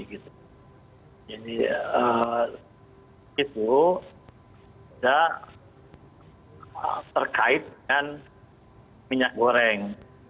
jadi itu sudah terkait dengan minyak goreng